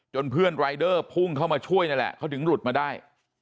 เพื่อนรายเดอร์พุ่งเข้ามาช่วยนั่นแหละเขาถึงหลุดมาได้